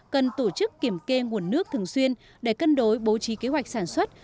cần tổ chức kiểm kê nguồn nước thường xuyên để cân đối bố trí kế hoạch sản xuất